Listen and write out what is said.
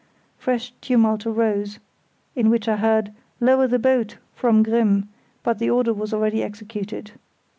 Fresh tumult arose, in which I heard: "Lower the boat," from Grimm; but the order was already executed.